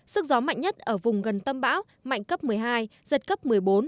sức gió mạnh nhất ở vùng gần tâm bão mạnh cấp một mươi hai giật cấp một mươi bốn một mươi năm